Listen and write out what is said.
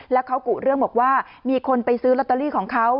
แล้วเขากุเรื่องบอกว่ามีคนไปซื้อลอตเตอรี่ของเขา